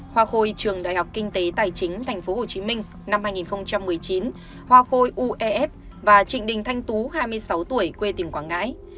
hoa khôi trường đại học kinh tế tài chính tp hcm năm hai nghìn một mươi chín hoa khôi uef và trịnh đình thanh tú hai mươi sáu tuổi quê tỉnh quảng ngãi